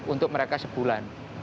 untuk mereka sebulan